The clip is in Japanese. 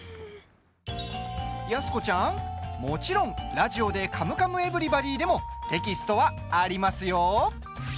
安子ちゃん、もちろん「ラジオで！カムカムエヴリバディ」でもテキストはありますよ！